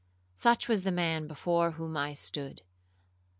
Such was the man before whom I stood.